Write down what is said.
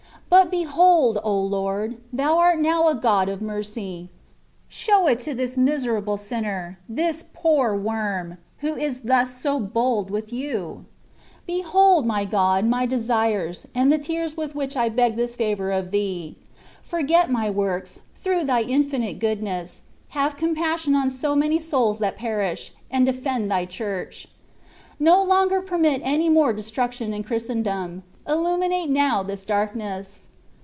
But, behold, O Lord ! Thou art now a God of Mercy. Show it to this miserable sinner — this poor worm, who is thus so bold with Thee."*^ Be hold, my God, my desires, and the tears with which I beg this favour of Thee: forget my works, through Thy infinite goodness — ^have com passion on so many souls that perish, and defend Thy Church. No longer permit any more de struction in Christendom; illuminate now this darkness.